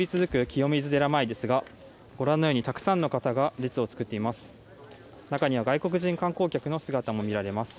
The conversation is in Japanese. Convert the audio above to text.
清水寺前ですがご覧のように、たくさんの方が列を作っています。